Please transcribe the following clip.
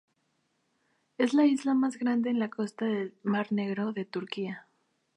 Es la isla más grande en la costa del Mar Negro de Turquía.